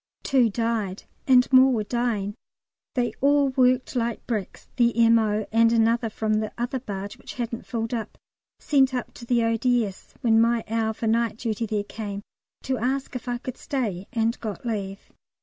Two died, and more were dying. They all worked like bricks. The M.O., and another from the other barge which hadn't filled up, sent up to the O.D.S., when my hour for night duty there came, to ask if I could stay, and got leave.